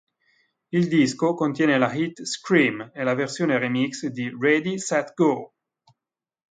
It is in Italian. Il disco contiene la hit "Scream" e la versione remix di "Ready, Set, Go!".